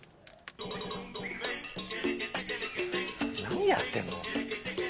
何やってるの？